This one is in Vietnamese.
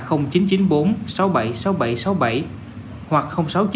hoặc sáu trăm chín mươi ba một trăm tám mươi bảy năm trăm hai mươi một